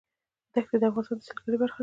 دښتې د افغانستان د سیلګرۍ برخه ده.